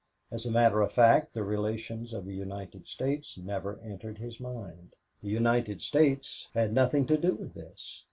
As a matter of fact the relations of the United States never entered his mind. The United States had nothing to do with this.